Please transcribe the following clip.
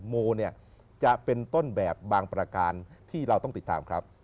โมเนี่ยจะเป็นต้นแบบบางประการที่เราต้องติดตามครับ